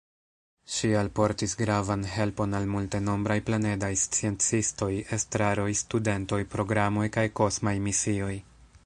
Ŝi alportis gravan helpon al multenombraj planedaj sciencistoj, estraroj, studentoj, programoj kaj kosmaj misioj.